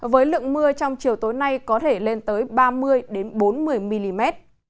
với lượng mưa trong chiều tối nay có thể lên tới ba mươi bốn mươi mm